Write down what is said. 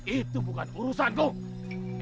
itu bukan urusan kum